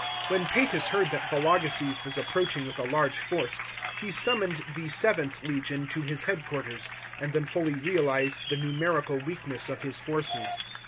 When Psetus heard that Vologeses was ap proaching with a large force, he summoned the XI 1th legi<>n to his head quarters, and then fully realised the numerical weak ness of his forces.